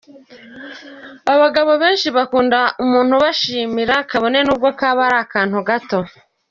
Abagabo akenshi bakunda umuntu ubashimira kabone nubwo kaba ari akantu gato.